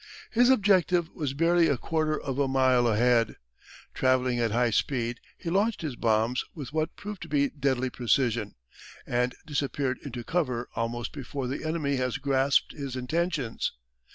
His objective was barely a quarter of a mile ahead. Travelling at high speed he launched his bombs with what proved to be deadly precision, and disappeared into cover almost before the enemy had grasped his intentions.